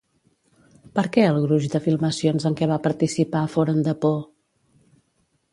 Per què el gruix de filmacions en què va participar foren de por?